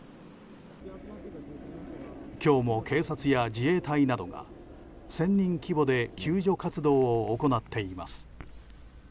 今日も警察や自衛隊などが１０００人規模で救助活動を行っています。